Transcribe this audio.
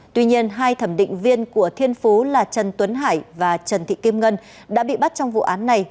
tuy nhiên hai thẩm định viên của thiên phú là trần tuấn hải và trần thị kim ngân đã bị bắt trong vụ án này